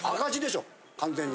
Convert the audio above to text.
完全に。